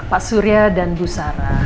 pak surya dan bu sara